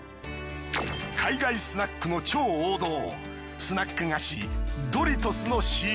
海外スナックの超王道スナック菓子ドリトスのＣＭ。